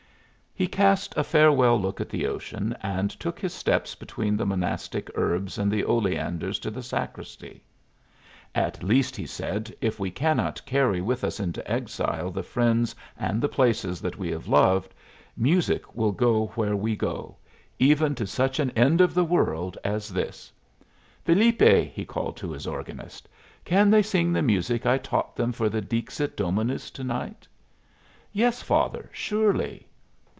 He cast a farewell look at the ocean, and took his steps between the monastic herbs and the oleanders to the sacristy. "At least," he said, "if we cannot carry with us into exile the friends and the places that we have loved, music will go where we go, even to such an end of the world as this. Felipe!" he called to his organist. "Can they sing the music I taught them for the Dixit Dominus to night?" "Yes, father, surely."